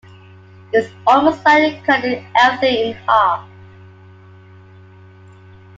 It's almost like it cut everything in half.